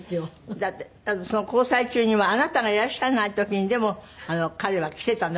だってその交際中にはあなたがいらっしゃらない時にでも彼は来てたの？